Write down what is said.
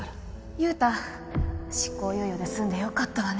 雄太執行猶予ですんで良かったわね